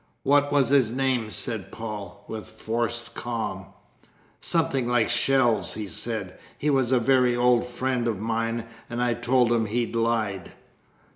"What was his name?" said Paul, with forced calm. "Something like 'Shells.' He said he was a very old friend of mine, and I told him he lied."